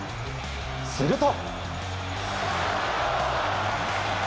すると。